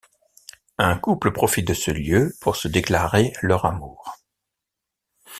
Un couple profite de ce lieu pour se déclarer leur amour.